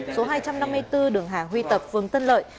số hai trăm năm mươi bốn đường hà huy tập phường tân lợi